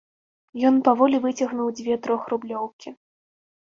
Ён паволі выцягнуў дзве трохрублёўкі.